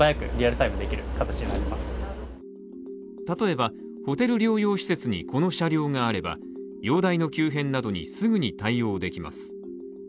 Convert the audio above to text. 例えば、ホテル療養施設に、この車両があれば、容体の急変などにすぐに対応できます。